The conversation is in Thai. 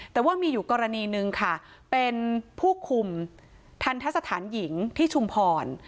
แต่ว่ามีอยู่กรณีหนึ่งค่ะเป็นผู้คุมทันทสถานหญิงที่ชุมพร